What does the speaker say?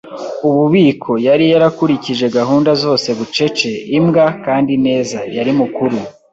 ububiko; yari yarakurikije gahunda zose bucece, imbwa, kandi neza; yari mukuru